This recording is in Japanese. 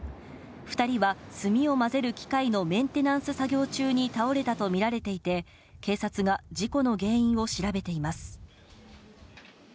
２人は炭を混ぜる機械のメンテナンス作業中に倒れたと見られていて、警察が事故の原因を調べています。